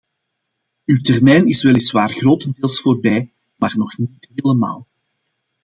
Uw termijn is weliswaar grotendeels voorbij, maar nog niet helemaal.